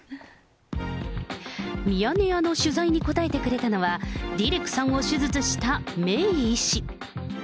ミヤネ屋の取材に答えてくれたのは、ディレクさんを手術したメイ医師。